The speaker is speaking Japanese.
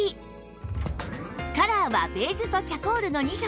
カラーはベージュとチャコールの２色